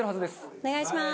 お願いします！